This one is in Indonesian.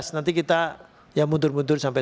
nanti kita ya mundur mundur sampai